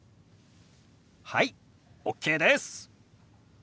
はいＯＫです！